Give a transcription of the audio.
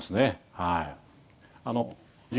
はい」